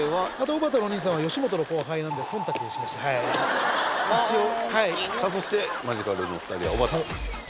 おばたのお兄さんは吉本の後輩なんで一応はいそしてマヂカルのお二人はおばた